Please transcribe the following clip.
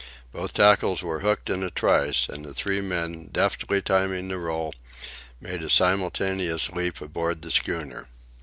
Both tackles were hooked in a trice, and the three men, deftly timing the roll, made a simultaneous leap aboard the schooner.